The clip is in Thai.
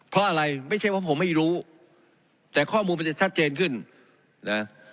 เพราะอะไรไม่ใช่ว่าผมไม่รู้แต่ข้อมูลมันจะชัดเจนขึ้นนะ